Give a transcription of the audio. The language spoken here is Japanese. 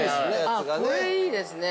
これ、いいですね。